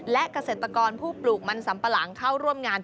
และเกษตรกรผู้ปลูกมันสัมปะหลังเข้าร่วมงาน